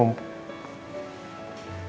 wah ide bagus itu